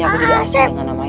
aku tidak mengingat apa apa